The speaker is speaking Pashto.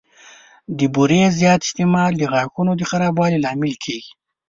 د بوري زیات استعمال د غاښونو د خرابوالي لامل کېږي.